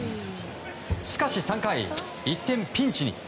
しかし３回、一転ピンチに。